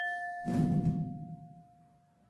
Nativo de la región del Mediterráneo.